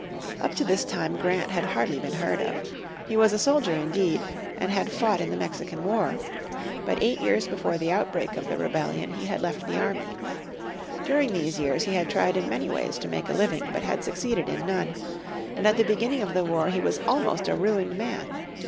Up to this time Grand had hardly been heard of. He was a soldier indeed, and had fought in the Mexican War. But eight years before the outbreak of the rebellion he had left the army. During these years he had tried in many ways to make a living, but had succeeded in none, and at the beginning of the war he was almost a ruined man.